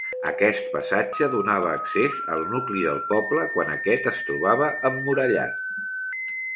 Aquest passatge donava accés al nucli del poble quan aquest es trobava emmurallat.